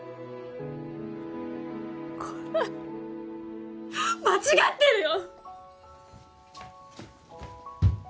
こんなの間違ってるよ！